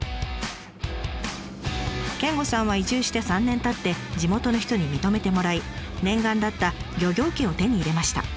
健吾さんは移住して３年たって地元の人に認めてもらい念願だった漁業権を手に入れました。